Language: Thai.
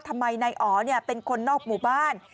ทำไมนายอ๋อเป็นคนนอกหมู่บ้าน